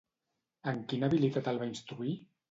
En quina habilitat el va instruir?